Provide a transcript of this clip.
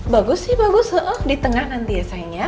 bagus sih bagus di tengah nanti ya sayang ya